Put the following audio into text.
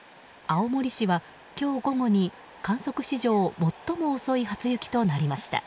青森市は今日午後に観測史上最も遅い初雪となりました。